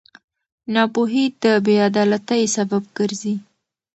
ناپوهي د بېعدالتۍ سبب ګرځي.